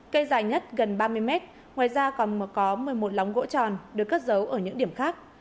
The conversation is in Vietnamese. cây dài nhất gần ba mươi mét ngoài ra còn có một mươi một lóng gỗ tròn được cất giấu ở những điểm khác